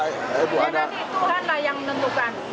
ya nanti tuhan lah yang menentukan